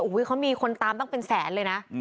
เขามีคนตามตั้งเป็นแสนเลยนะ